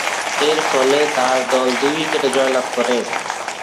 এরফলে তার দল দুই উইকেটে জয়লাভ করে।